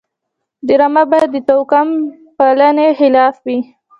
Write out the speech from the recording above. ډرامه باید د توکم پالنې خلاف وي